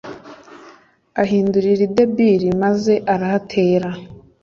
ahindurira i debiri, maze arahatera